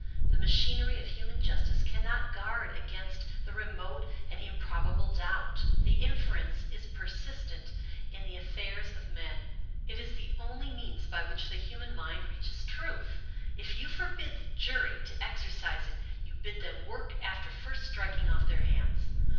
The machinery of human justice cannot guard against the remote and im probable doubt. The inference is persistent in the afifairs of men. It is the only means by which the human mind reaches the truth. If you forbid the jury to exercise it, you bid them work after first striking ofT their hands.